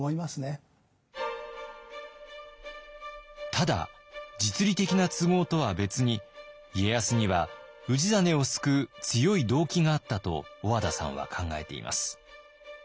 ただ実利的な都合とは別に家康には氏真を救う強い動機があったと小和田さんは考えています。